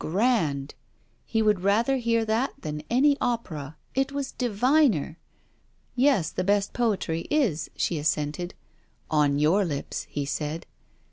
grand! He would rather hear that than any opera: it was diviner! 'Yes, the best poetry is,' she assented. 'On your lips,' he said.